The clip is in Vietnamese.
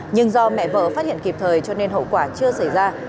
nhưng do mẹ vợ phát hiện kịp thời cho nên hậu quả chưa xảy ra